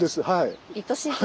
はい。